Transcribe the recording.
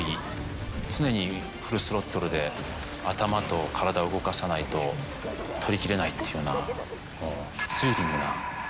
常にフルスロットルで頭と体を動かさないと撮りきれないっていうような。